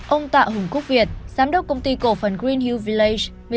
ông tạ hùng quốc việt giám đốc công ty cổ phần greenhill village